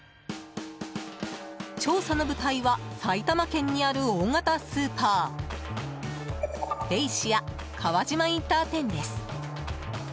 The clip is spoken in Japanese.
調査の舞台は埼玉県にある大型スーパーベイシア川島インター店です。